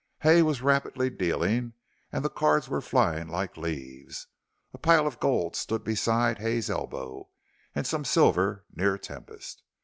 Hay was rapidly dealing, and the cards were flying like leaves. A pile of gold stood beside Hay's elbow, and some silver near Tempest.